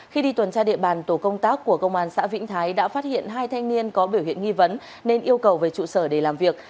khi đi tuần tra địa bàn tổ công tác của công an xã vĩnh thái đã phát hiện hai thanh niên có biểu hiện nghi vấn nên yêu cầu về trụ sở để làm việc